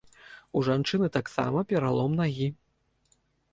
У жанчыны таксама пералом нагі.